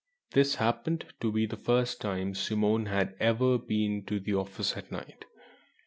This happened to be the first time Simone had ever been to the office at night.